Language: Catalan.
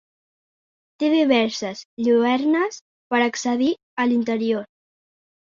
Té diverses lluernes per accedir a l'interior.